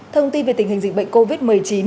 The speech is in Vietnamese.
thông tin về tình hình dịch bệnh covid một mươi chín